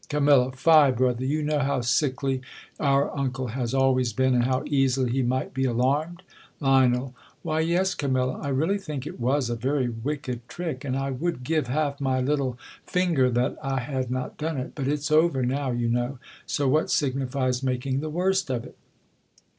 Cam, Fie, brother ! You know how sickly our un cle has always been, and how easily he might be alarmed. Lion, Why, yes, Camilla ; I really think it was a very wicked trick ; and I would give half my little fin ger that I had not done it. But it's over now, you know; so what signifies making the worst of it?